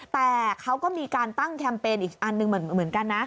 แต่เขาก็มีการตั้งแคมเปญอีกอันหนึ่งเหมือนกันนะ